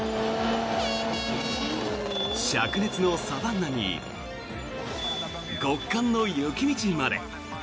しゃく熱のサバンナに極寒の雪道まで。